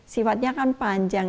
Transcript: siwatnya kan panjang